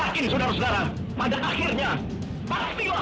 pastilah keunangan ini akan jatuh ke tangan kita